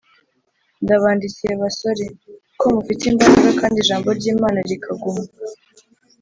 Ndabandikiye basore, kuko mufite imbaraga kandi ijambo ry’Imana rikaguma